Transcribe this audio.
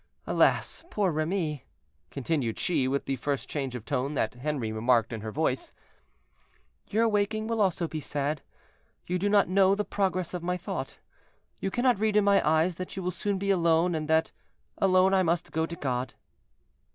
Alas! poor Remy," continued she, with the first change of tone that Henri remarked in her voice, "your waking will also be sad; you do not know the progress of my thought; you cannot read in my eyes that you will soon be alone, and that alone I must go to God."